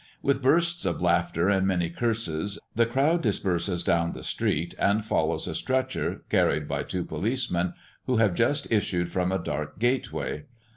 With bursts of laughter and many curses, the crowd disperses down the street and follows a stretcher, carried by two policemen, who have just issued from a dark gate way.